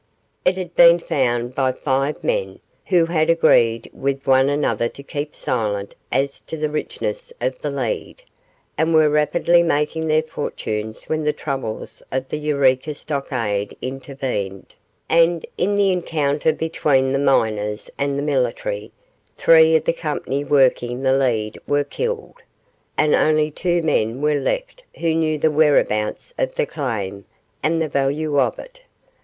It had been found by five men, who had agreed with one another to keep silent as to the richness of the lead, and were rapidly making their fortunes when the troubles of the Eureka stockade intervened, and, in the encounter between the miners and the military, three of the company working the lead were killed, and only two men were left who knew the whereabouts of the claim and the value of it.